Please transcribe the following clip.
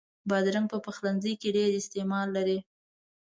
بادرنګ په پخلنځي کې ډېر استعمال لري.